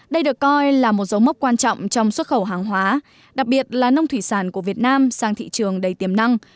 đây được coi là một dấu mốc quan trọng trong xuất khẩu hàng hóa đặc biệt là nông thủy sản của việt nam sang thị trường đầy tiềm năng